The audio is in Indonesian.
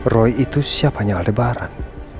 roy itu siapanya aldebaran